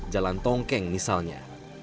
jalan tongkeng misalnya